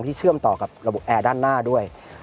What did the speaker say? เชื่อมต่อกับระบบแอร์ด้านหน้าด้วย